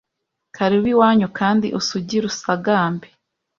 karibu iwanyu kandi usugire usagambe